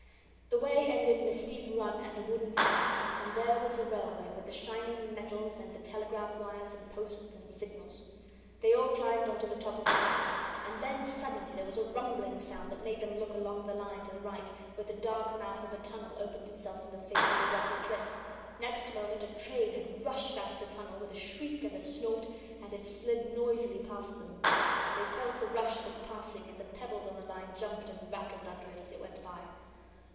The way ended in a steep run and a wooden fence and there was the railway with the shining metals and the telegraph wires and posts and signals. They all climbed on to the top of the fence, and then suddenly there was a rumbling sound that made them look along the line to the right, where the dark mouth of a tunnel opened itself in the face of a rocky cliff; next moment a train had rushed out of the tunnel with a shriek and a snort, and had slid noisily past them. They felt the rush of its passing, and the pebbles on the line jumped and rattled under it as it went by.